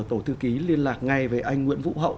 tổ thư ký liên lạc ngay với anh nguyễn vũ hậu